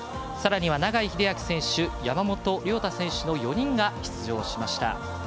さらには、永井秀昭選手山本涼太選手の４人が出場しました。